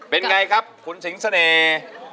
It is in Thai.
เป็นไงครับคุณสิงเสน่ห์